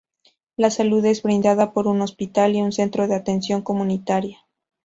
La salud es brindada por un hospital y un centro de atención comunitaria.